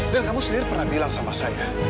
dan kamu sendiri pernah bilang sama saya